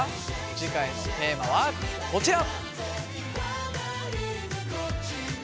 次回のテーマはこちら！